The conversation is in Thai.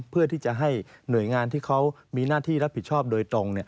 เพื่อที่จะให้หน่วยงานที่เขามีหน้าที่รับผิดชอบโดยตรง